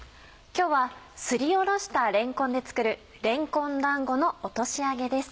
今日はすりおろしたれんこんで作る「れんこんだんごの落とし揚げ」です。